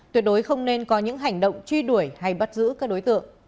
tuyệt đối không nên có những hành động truy đuổi hay bắt giữ các đối tượng